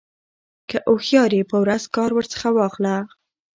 كه هوښيار يې په ورځ كار ورڅخه واخله